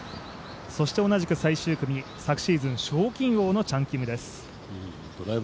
そして同じく最終組昨シーズン賞金王のチャン・キムです。